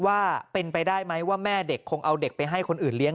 ว่าเป็นไปได้ไหมว่าแม่เด็กคงเอาเด็กไปให้คนอื่นเลี้ย